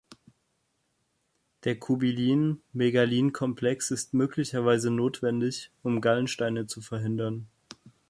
Der Cubilin:Megalin-Komplex ist möglicherweise notwendig, um Gallensteine zu verhindern.